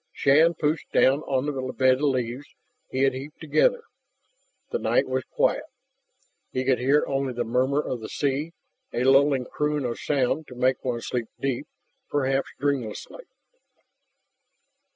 Shann pushed down on the bed of leaves he had heaped together. The night was quiet. He could hear only the murmur of the sea, a lulling croon of sound to make one sleep deep, perhaps dreamlessly.